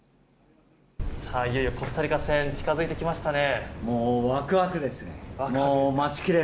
いよいよコスタリカ戦近付いてきましたね。